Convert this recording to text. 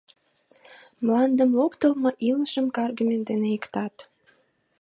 Мландым локтылмо — илышым каргыме дене иктак.